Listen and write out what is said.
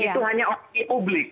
itu hanya opini publik